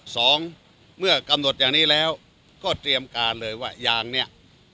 สองเมื่อกำหนดอย่างนี้แล้วก็เตรียมการเลยว่ายางเนี่ย